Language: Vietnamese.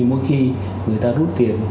mỗi khi người ta rút tiền